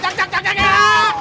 jangan jangan jangan jangan